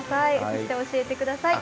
そして教えてください。